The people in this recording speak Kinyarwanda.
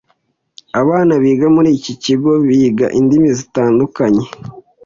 Abana biga muri iki kigo biga indimi zitandukanye